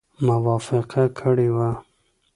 موافقه کړې وه.